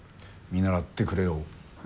見習ってくれよ。